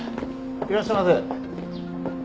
いらっしゃいませ。